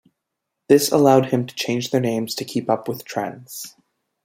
This allowed him to change their names to keep up with trends.